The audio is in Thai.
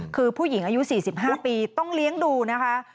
คือผู้หญิงอายุ๔๕ปีต้องเลี้ยงดูนะคะ